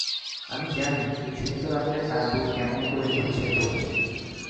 আমি জানি, এই সুপ্তরাত্রে তার বুক কেমন করে উঠছে পড়ছে।